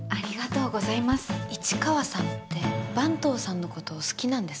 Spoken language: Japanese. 市川さんって坂東さんのこと好きなんですか？